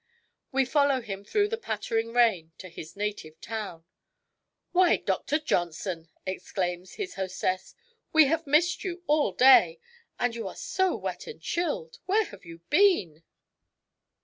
We follow him through the pattering rain to his native town. "Why, Dr. Johnson!" exclaims his hostess; DR. JOHNSON AND HIS FATHER 6l "we have missed you all day. And you are so wet and chilled ! Where have you been